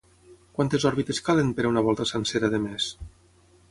Quantes òrbites calen per a una volta sencera de més?